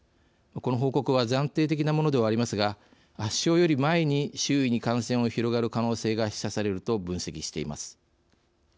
この報告は暫定的なものではありますが発症より前に周囲に感染を広げる可能性が示唆されると分析しています。